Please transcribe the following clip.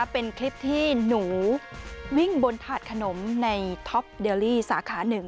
เป็นคลิปที่หนูวิ่งบนถาดขนมในท็อปเดลลี่สาขาหนึ่ง